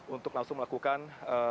untuk langsung melakukan penyelamatkan